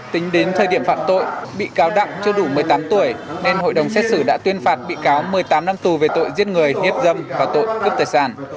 tính đến thời điểm phạm tội bị cáo đặng chưa đủ một mươi tám tuổi nên hội đồng xét xử đã tuyên phạt bị cáo một mươi tám năm tù về tội giết người hiếp dâm và tội cướp tài sản